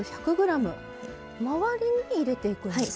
周りに入れていくんですか？